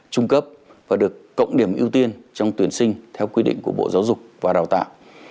trung cấp và được cộng điểm ưu tiên trong tuyển sinh theo quy định của bộ giáo dục và đào tạo